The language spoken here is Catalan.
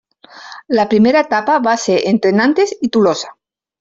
La primera etapa va ser entre Nantes i Tolosa.